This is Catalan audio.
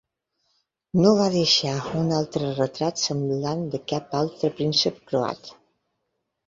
No va deixar un altre retrat semblant de cap altre príncep croat.